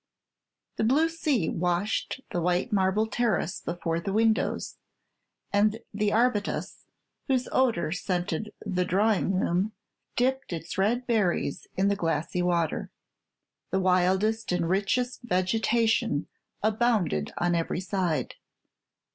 The blue sea washed the white marble terrace before the windows, and the arbutus, whose odor scented the drawing room, dipped its red berries in the glassy water. The wildest and richest vegetation abounded on every side.